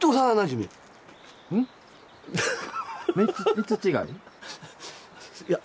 ３つ違い？